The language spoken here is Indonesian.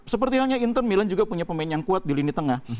seperti halnya intern milan juga punya pemain yang kuat di lini tengah